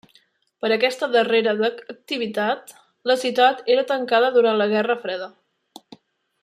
Per aquesta darrera activitat, la ciutat era tancada durant la Guerra Freda.